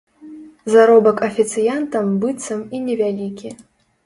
Заробак афіцыянтам быццам і невялікі.